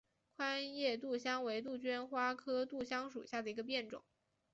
宽叶杜香为杜鹃花科杜香属下的一个变种。